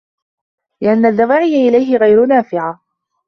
لِأَنَّ الدَّوَاعِيَ إلَيْهِ غَيْرُ نَافِعَةٍ